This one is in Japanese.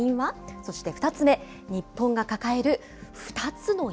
そして２つ目、日本が抱える２つの病。